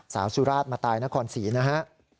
สาวสุราชมาตายนะคอนศรีนะฮะ